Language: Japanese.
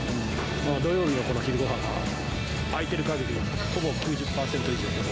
土曜日の昼ごはんは、開いてるかぎり、ほぼ９０％以上、ここ。